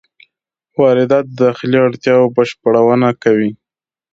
واردات د داخلي اړتیاوو بشپړونه کوي.